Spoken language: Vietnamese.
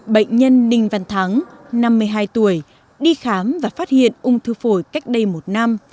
bệnh nhân ninh văn thắng năm mươi hai tuổi đi khám và phát hiện ung thư phổi cách đây một năm